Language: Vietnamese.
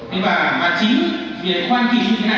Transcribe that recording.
thế và chính vì khoan kỳ như thế này